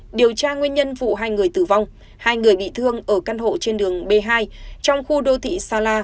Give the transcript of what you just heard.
để điều tra nguyên nhân vụ hai người tử vong hai người bị thương ở căn hộ trên đường b hai trong khu đô thị sala